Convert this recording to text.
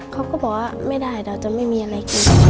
เขาก็บอกว่าไม่ได้เราจะไม่มีอะไรกิน